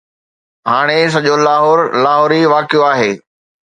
هاڻي سڄو لاهور، لاهور ئي واقعو آهي